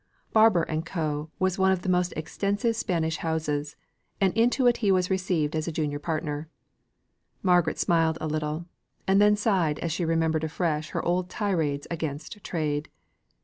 Barbour and Co. was one of the most extensive Spanish houses, and into it he was received as a junior partner. Margaret smiled a little and then sighed as she remembered afresh her old tirades against trade.